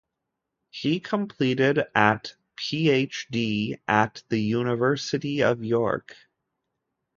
He completed at PhD at the University of York.